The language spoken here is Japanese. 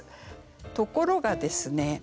ところがですね